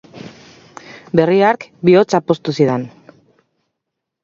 Berri hark bihotza poztu zidan.